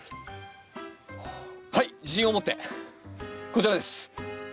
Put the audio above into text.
はい自信を持ってこちらです！